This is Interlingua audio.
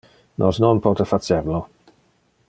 Nos non pote facer lo.